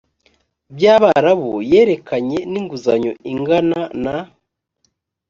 by abarabu yerekeranye n inguzanyo ingana na